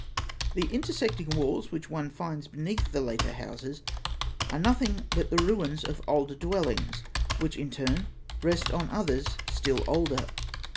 The intersecting walls which one finds beneath the later houses are nothing but the ruins of older dwellings, which in turn rest on others still older.